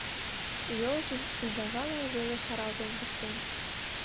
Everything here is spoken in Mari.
Йолжым ужавала веле шаралтен пыштен.